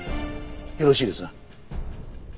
よろしいですな？